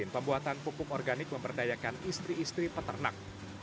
pembuatan pupuk organik memberdayakan istri istri peternak